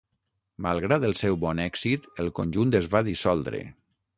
Malgrat el seu bon èxit, el conjunt es va dissoldre.